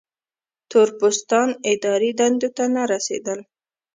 تور پوستان اداري دندو ته نه رسېدل.